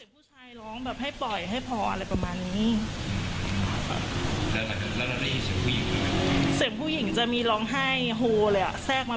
ไม่ค่ะไม่เห็นนะคะ